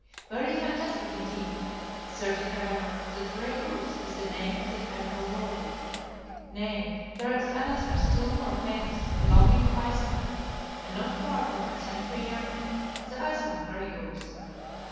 Very fantastic indeed; certain, however, that Gray goose is the name of that venerable Law Book; nay, there is another, still more famous, belonging to Iceland, and not far from a century younger, the Iceland _Gray goose.